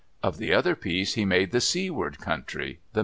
Of the other piece he made the Seaward Country—the mainland.